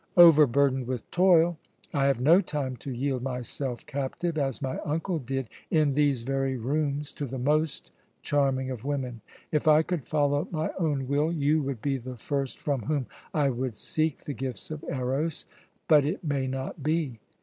Overburdened with toil, I have no time to yield myself captive, as my uncle did in these very rooms, to the most charming of women. If I could follow my own will, you would be the first from whom I would seek the gifts of Eros. But it may not be!